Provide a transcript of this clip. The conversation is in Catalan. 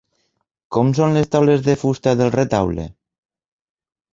Com són les talles de fusta del retaule?